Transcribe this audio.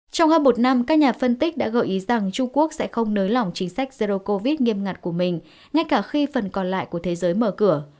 trong hơn một năm các nhà phân tích đã gợi ý rằng trung quốc sẽ không nới lỏng chính sách zero covid nghiêm ngặt của mình ngay cả khi phần còn lại của thế giới mở cửa